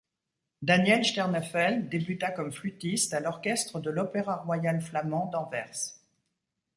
Daniel Sternefeld débuta comme flûtiste à l'orchestre de l’Opéra royal flamand d'Anvers.